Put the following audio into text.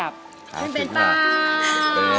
ขึ้นเป็นป่า